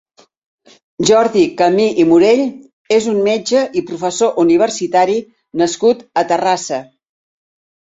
Jordi Camí i Morell és un metge i professor universitari nascut a Terrassa.